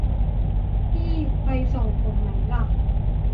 พี่ไปส่งผมไหมล่ะ